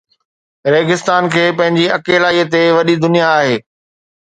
ريگستان کي پنهنجي اڪيلائيءَ تي وڏي دنيا آهي